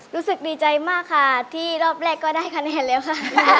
รู้สึกดีใจมากค่ะที่รอบแรกก็ได้คะแนนแล้วค่ะ